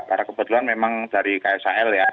karena kebetulan memang dari ksal ya